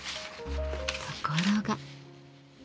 ところが。